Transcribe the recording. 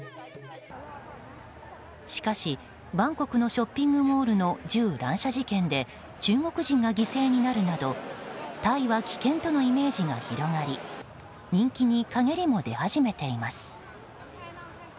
しかし、バンコクのショッピングモールの銃乱射事件で中国人が犠牲になるなどタイは危険とのイメージが広がり人気に陰りも出始めています。